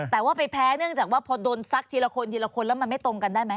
แต่ว่าไปแพ้เนื่องจากว่าพอโดนซักทีละคนทีละคนแล้วมันไม่ตรงกันได้ไหม